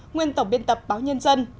nguyên tổng biên tập báo nhân dân